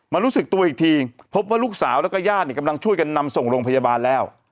รู้สึกตัวอีกทีพบว่าลูกสาวแล้วก็ญาติกำลังช่วยกันนำส่งโรงพยาบาลแล้ว